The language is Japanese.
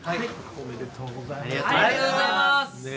ありがとうございます。